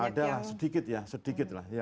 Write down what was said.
ya ada sedikit ya sedikit lah